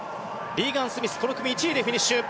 リーガン・スミスこの組１位でフィニッシュ。